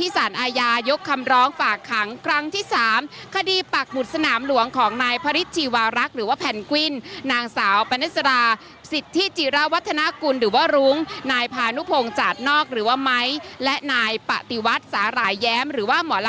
อีกฝั่งนึงก็บอกโอ๊ยผมเนี่ยแหละถูกยิงใช่ไหม